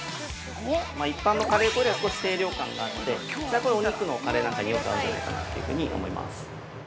◆一般のカレー粉よりは少し清涼感があってお肉のカレーなんかによく合うんじゃないかなというふうに思います。